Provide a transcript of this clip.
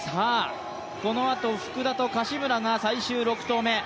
このあと、福田と柏村が最終、６投目